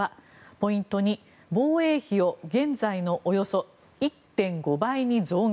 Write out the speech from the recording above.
ポイント２、防衛費を現在のおよそ１．５倍に増額。